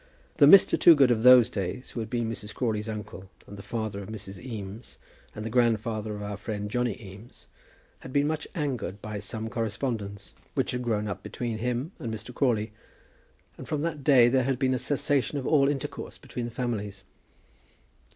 The Mr. Toogood of those days, who had been Mrs. Crawley's uncle, and the father of Mrs. Eames and grandfather of our friend Johnny Eames, had been much angered by some correspondence which had grown up between him and Mr. Crawley, and from that day there had been a cessation of all intercourse between the families.